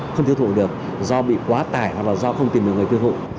không tiêu thụ được do bị quá tải hoặc là do không tìm được người tiêu thụ